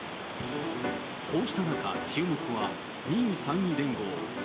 こうした中、注目は２位・３位連合。